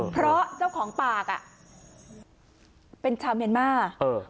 เพราะเจ้าของปากเป็นชาวเมียนมาร์